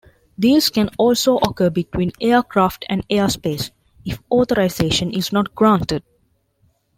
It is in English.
Deals can also occur between aircraft and airspace, if authorization is not granted.